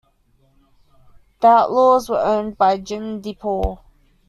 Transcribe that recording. The Outlawz were owned by Jim DePaul.